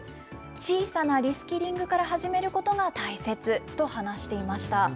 小さなリスキリングから始めることが大切と話していました。